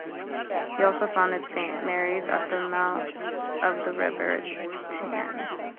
He also founded Saint Mary's at the mouth of the River Tyne.